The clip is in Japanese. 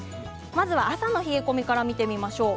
まずは朝の冷え込みから見てみましょう。